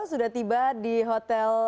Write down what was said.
sudah tiba di hotel